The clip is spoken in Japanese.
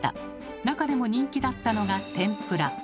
なかでも人気だったのが天ぷら。